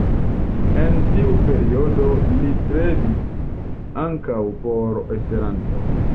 En tiu periodo li strebis ankaŭ por Esperanto.